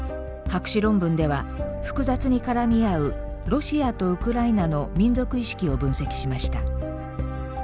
博士論文では複雑に絡み合うロシアとウクライナの民族意識を分析しました。